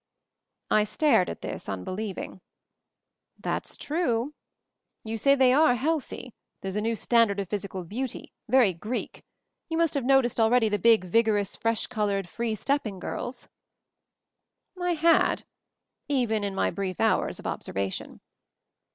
I stared at this, unbelieving. "That's true! You see, they are healthy; there's a new standard of physical beauty — very Greek — you must have noticed already the big, vigorous, fresh colored, free step ping girls." I had, even in my brief hours of obser vation.